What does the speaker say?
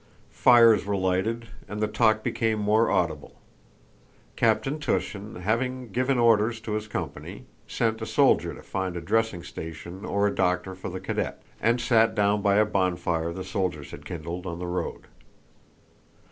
Fires were lighted and the talk became more audible. Captain Túshin, having given orders to his company, sent a soldier to find a dressing station or a doctor for the cadet, and sat down by a bonfire the soldiers had kindled on the road.